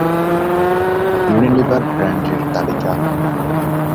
Unilever ব্র্যান্ডের তালিকা